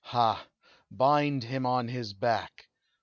"Ha! bind him on his back!